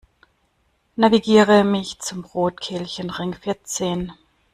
Navigiere mich zum Rotkelchenring vierzehn!